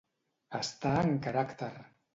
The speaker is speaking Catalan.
Estar en caràcter.